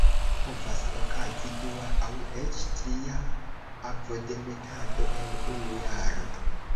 Povas okazi dua aŭ eĉ tria ovodemetado en unu jaro.